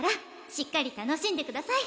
しっかり楽しんでください